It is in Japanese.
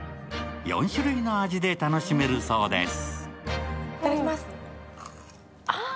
４種類の味で楽しめるそうです。